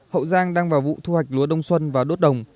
hậu giang đang vào vụ thu hoạch lúa đông xuân và đốt đồng